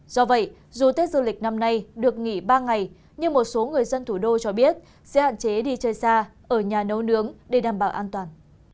do vậy dù tết du lịch năm nay được nghỉ ba ngày nhưng một số người dân thủ đô cho biết sẽ hạn chế đi chơi xa ở nhà nấu nướng để đảm bảo an toàn